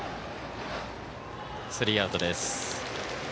スリーアウトです。